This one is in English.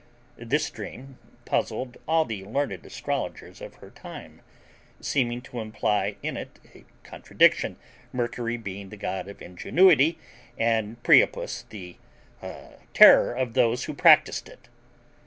This dream puzzled all the learned astrologers of her time, seeming to imply in it a contradiction; Mercury being the god of ingenuity, and Priapus the terror of those who practised it.